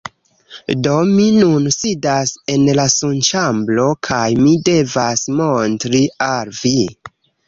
Do mi nun sidas en la sunĉambro kaj mi devas montri al vi.